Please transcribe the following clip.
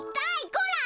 こら！